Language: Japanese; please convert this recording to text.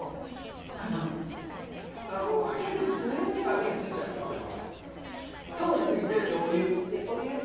ふた開けすぎちゃったとか？